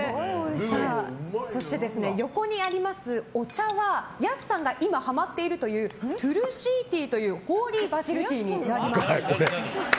そして横にあります、お茶はやすさんが今ハマっているというトゥルシーティーというホーリーバジルティーになります。